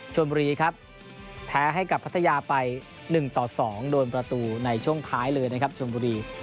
บุรีครับแพ้ให้กับพัทยาไป๑ต่อ๒โดนประตูในช่วงท้ายเลยนะครับชนบุรี